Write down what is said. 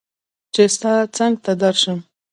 چې ستا څنګ ته درشم